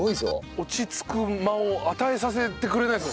落ち着く間を与えさせてくれないです。